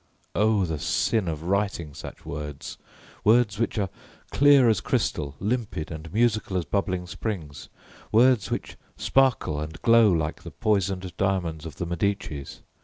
Oh the sin of writing such words, words which are clear as crystal, limpid and musical as bubbling springs, words which sparkle and glow like the poisoned diamonds of the Medicis!